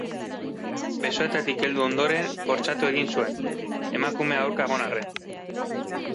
Besoetatik heldu ondoren bortxatu egin zuen, emakumea aurka egon arren.